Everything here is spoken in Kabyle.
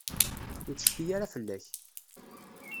Ur tecfi ara fell-ak.